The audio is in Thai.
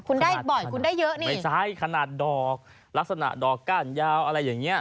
คุณได้บ่อยคุณได้เยอะนี่ไม่ใช่ขนาดดอกลักษณะดอกก้านยาวอะไรอย่างเงี้